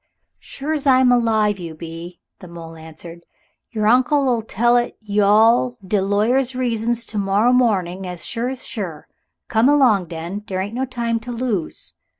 "Sure's I'm alive you be," the mole answered; "yer uncle'll tell it you with all de lawyer's reasons to morrow morning as sure's sure. Come along, den. Dere ain't no time to lose."